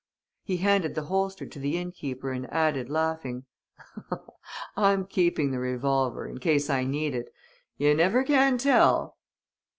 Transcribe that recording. "He handed the holster to the inn keeper and added, laughing: "'I'm keeping the revolver, in case I need it. You never can tell!'